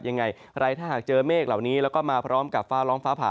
ยังไงใครถ้าหากเจอเมฆเหล่านี้แล้วก็มาพร้อมกับฟ้าร้องฟ้าผ่า